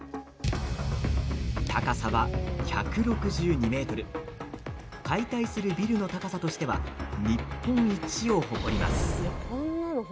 高さは１６２ｍ解体するビルの高さとしては日本一を誇ります。